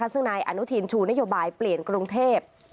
ซึ่งนายอนุทินชูนโยบายเปลี่ยนกรุงเทพ